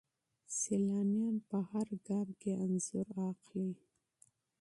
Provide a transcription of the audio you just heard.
سیلانیان په هر ګام کې عکس اخلي.